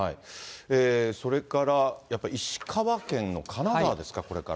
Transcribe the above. それからやっぱり石川県の金沢ですか、これから。